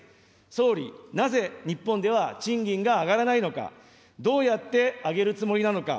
総理、なぜ日本では賃金が上がらないのか、どうやって上げるつもりなのか。